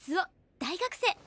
大学生。